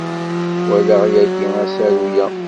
Walaɣ yagi asaru-a.